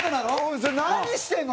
「それ何してんの？